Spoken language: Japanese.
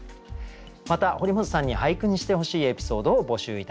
また堀本さんに俳句にしてほしいエピソードを募集いたします。